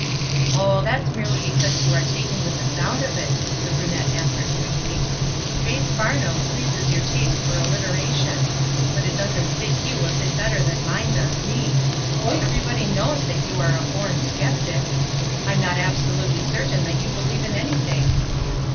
"Oh, that's merely because you are taken with the sound of it, the brunette answered quickly. "' Faith Famham' pleases your taste for alliteration; but it doesn*t fit you a bit bet ter than mine does me. Everybody knows that you are a born sceptic. I'm not absolutely certain that you believe in anything."